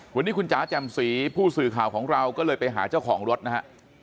วันนี้คุณจ๋าแจ่มสีผู้สื่อข่าวของเราก็เลยไปหาเจ้าของรถนะฮะ